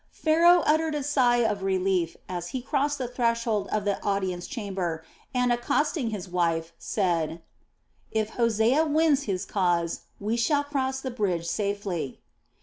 Pharaoh uttered a sigh of relief as he crossed the threshold of the audience chamber and, accosting his wife, said: "If Hosea wins his cause, we shall cross the bridge safely."